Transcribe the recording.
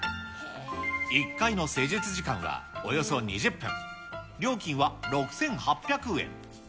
１回の施術時間はおよそ２０分、料金は６８００円。